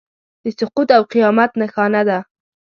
د سقوط او قیامت نښانه ده.